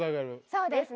そうですね。